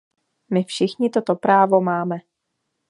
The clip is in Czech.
My všichni toto právo máme.